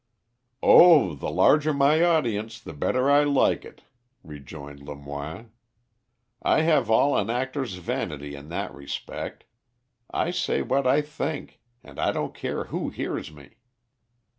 "Oh! the larger my audience, the better I like it," rejoined Lemoine. "I have all an actor's vanity in that respect. I say what I think, and I don't care who hears me."